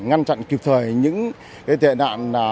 ngăn chặn kịp thời những tệ nạn